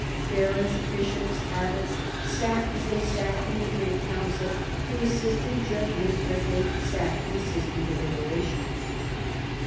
Barons, bishops, abbats, sat as they sat in the great council, to assist in judgment as they sat to assist in deliberation.